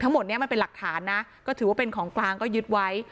ทั้งหมดนี้มันเป็นหลักฐานนะก็ถือว่าเป็นของกลางก็ยึดไว้